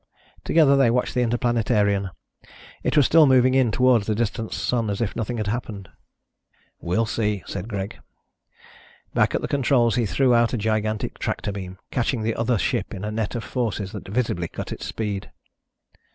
Together they watched the Interplanetarian. It was still moving in toward the distant sun, as if nothing had happened. "We'll see," said Greg. Back at the controls he threw out a gigantic tractor beam, catching the other ship in a net of forces that visibly cut its speed.